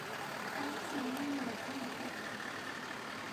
Payqa mana llullakunchu.